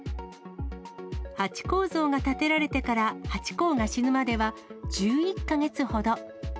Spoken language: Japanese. ハチ公像が建てられてからハチ公が死ぬまでは、１１か月ほど。